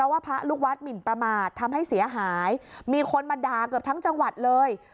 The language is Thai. ว่าพระลูกวัดหมินประมาททำให้เสียหายมีคนมาด่าเกือบทั้งจังหวัดเลย